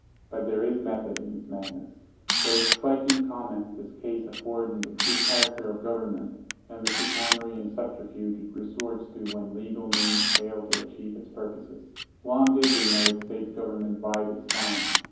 But there is method in its madness. 20 What a striking comment this case afford on the true character of government, and the chicanery and subterfuge it resorts to when legal means fail to achieve its purposes. Long did the United States Government bide its time.